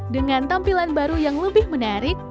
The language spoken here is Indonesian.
dengan tampilan baru yang lebih menarik